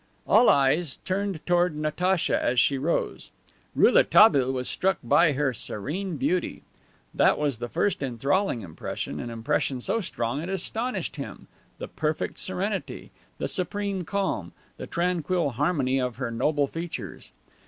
All eyes turned toward Natacha as she rose. Rouletabille was struck by her serene beauty. That was the first enthralling impression, an impression so strong it astonished him, the perfect serenity, the supreme calm, the tranquil harmony of her noble features.